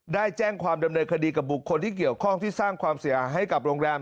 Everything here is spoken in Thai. ได้แจ้งความดำเนินคดีกับบุคคลที่เกี่ยวข้องที่สร้างความเสียหายให้กับโรงแรม